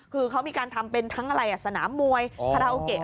คือเขามีการทำเป็นทั้งอะไรสนามมวยคาราโอเกะ